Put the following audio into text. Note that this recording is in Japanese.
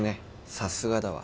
さすがだわ。